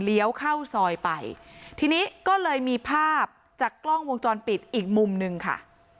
เข้าซอยไปทีนี้ก็เลยมีภาพจากกล้องวงจรปิดอีกมุมหนึ่งค่ะ